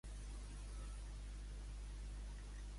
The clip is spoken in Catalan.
I la flamarada d'en Paiús?